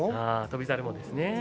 翔猿もですね。